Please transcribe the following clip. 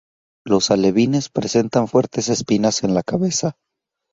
Los alevines presentan fuertes espinas en la cabeza.